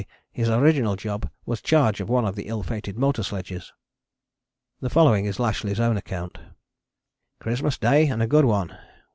his original job was charge of one of the ill fated motor sledges. [The following is Lashly's own account: "Christmas Day and a good one.